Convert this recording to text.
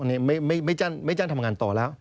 นายจ้านทำงานต่อแล้ว